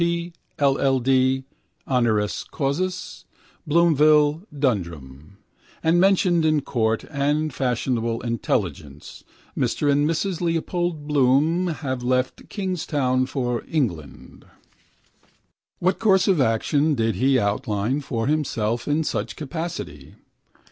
P., P. C., K. P., L. L. D. (honoris causa), Bloomville, Dundrum) and mentioned in court and fashionable intelligence (Mr and Mrs Leopold Bloom have left Kingstown for England). What course of action did he outline for himself in such capacity?